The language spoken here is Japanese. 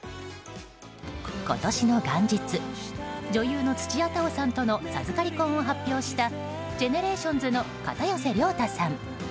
今年の元日女優の土屋太鳳さんとの授かり婚を発表したＧＥＮＥＲＡＴＩＯＮＳの片寄涼太さん。